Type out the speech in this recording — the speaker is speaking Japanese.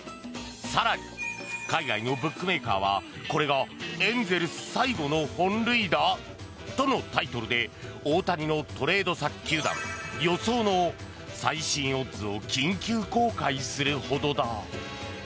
更に、海外のブックメーカーは「これがエンゼルス最後の本塁打？」とのタイトルで大谷のトレード先球団予想の最新オッズを緊急公開するほどだ。